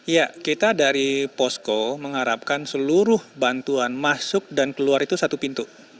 ya kita dari posko mengharapkan seluruh bantuan masuk dan keluar itu satu pintu